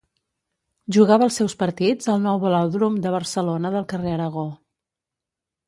Jugava els seus partits al Nou Velòdrom de Barcelona del carrer Aragó.